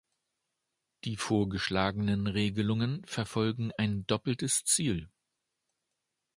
Die vorgeschlagenen Regelungen verfolgen ein doppeltes Ziel.